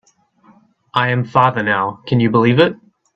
I am father now, can you believe it?